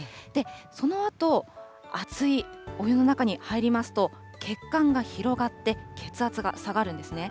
そのあと、熱いお湯の中に入りますと、血管が広がって、血圧が下がるんですね。